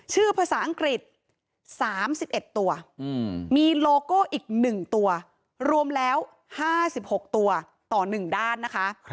ภาษาอังกฤษ๓๑ตัวมีโลโก้อีก๑ตัวรวมแล้ว๕๖ตัวต่อ๑ด้านนะคะ